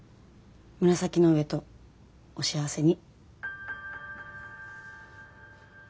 紫の上とお幸せに。